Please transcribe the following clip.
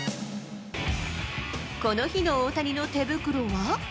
この日の大谷の手袋は？